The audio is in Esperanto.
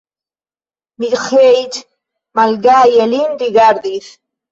Miĥeiĉ malgaje lin rigardis.